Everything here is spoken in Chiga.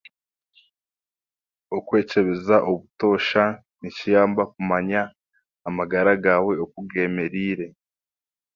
Okwekyebeza obutoosha nikiyamba kumanya oku amagara gaawe g'emereire